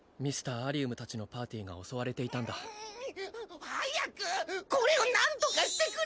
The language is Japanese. アリウム達のパーティーが襲われていたんだ早くこれを何とかしてくれ！